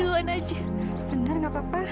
nanti aku akan datang